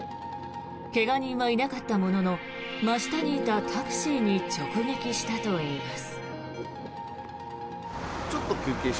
怪我人はいなかったものの真下にいたタクシーに直撃したといいます。